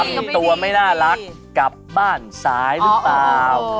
ทำตัวไม่น่ารักกลับบ้านสายหรือเปล่า